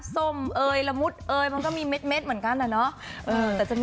ส้มเอ่ยละมุดเอยมันก็มีเม็ดเหมือนกันอะเนาะ